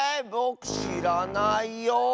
ぼくしらないよ。